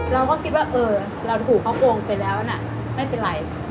เราก็คิดว่าเออเราถูกเขาโกงไปแล้วนะไม่เป็นไร